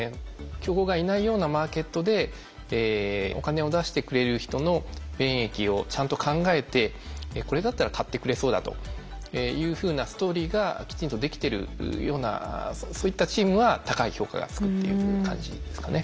競合がいないようなマーケットでお金を出してくれる人の便益をちゃんと考えてこれだったら買ってくれそうだというふうなストーリーがきちんとできてるようなそういったチームは高い評価がつくっていう感じですかね。